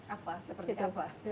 apa seperti apa